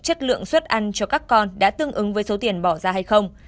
chất lượng suất ăn cho các con đã tương ứng với số tiền bỏ ra hay không